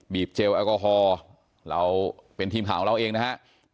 เจลแอลกอฮอล์เราเป็นทีมข่าวของเราเองนะฮะ